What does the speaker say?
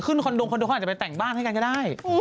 ขึ้นคอนโดงคนเดียวก็อาจจะไปแต่งบ้านให้กันก็ได้